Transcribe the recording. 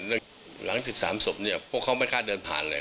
แล้วหลัง๑๓ศพเนี่ยพวกเขาไม่กล้าเดินผ่านเลย